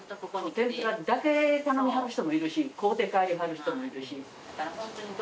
天ぷらだけ頼みはる人もいるし買うて帰りはる人もいるし